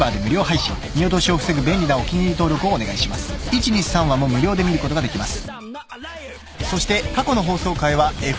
［１・２・３話も無料で見ることができます］